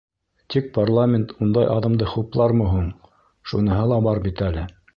Тик парламент ундай аҙымды хуплармы һуң — шуныһы ла бар бит әле.